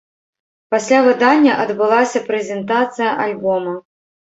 Пасля выдання адбылася прэзентацыя альбома.